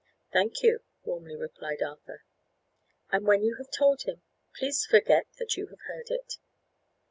"Thank you," warmly replied Arthur. "And when you have told him, please to forget that you have heard it.